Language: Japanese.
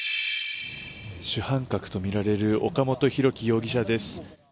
主犯格とみられる岡本大樹容疑者です。